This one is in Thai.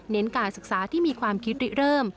เน้นการศึกษาที่มีความคิดเริ่ม